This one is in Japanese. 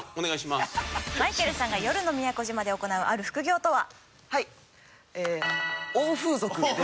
まいけるさんが夜の宮古島で行うある副業とは？